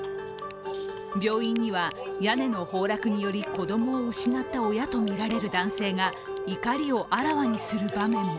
病院には、屋根の崩落により子供を失った親とみられる男性が怒りをあらわにする場面も。